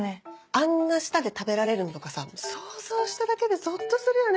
あんな舌で食べられるのとかさ想像しただけでゾッとするよね。